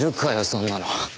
そんなの。